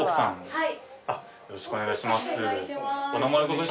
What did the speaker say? はい。